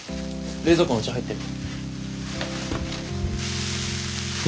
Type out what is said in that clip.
冷蔵庫にお茶入ってる。